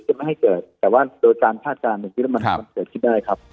แต่ว่าโดยการภาคการณ์มันออกไม่เกิดขึ้นได้ครับ